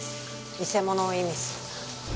偽物を意味する。